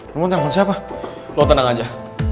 lo mau telepon siapa lo tenang aja